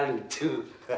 untung ngecah pak dokter ya